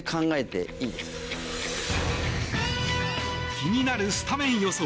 気になるスタメン予想。